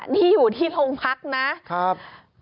นี่อยู่ที่โรงพักนะครับ